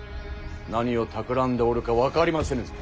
何をたくらんでおるか分かりませぬぞ。